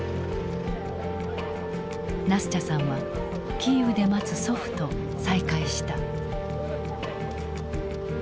ナスチャさんはキーウで待つ祖父と再会した。